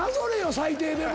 最低でも。